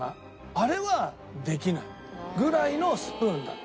あれはできないぐらいのスプーンだった。